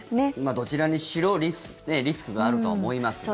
どちらにしろリスクがあるとは思いますが。